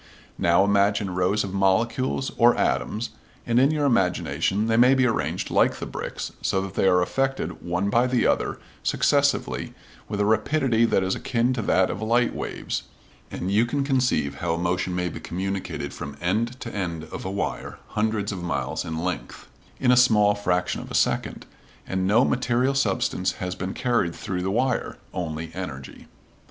Now, imagine rows of molecules or atoms, and in your imagination they may be arranged like the bricks, so that they are affected one by the other successively with a rapidity that is akin to that of light waves, and you can conceive how a motion may be communicated from end to end of a wire hundreds of miles in length in a small fraction of a second, and no material substance has been carried through the wire only energy.